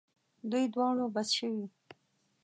دوی دواړو بس شوې.